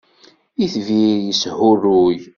Itbir yeshuruy